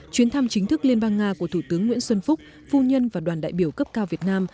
chuyến thăm chính thức liên bang nga của thủ tướng nguyễn xuân phúc phu nhân và đoàn đại biểu cấp cao việt nam